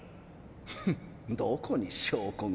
フンッどこに証拠が？